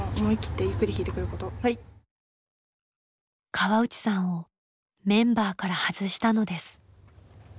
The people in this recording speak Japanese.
河内さんをメンバーから外したのです。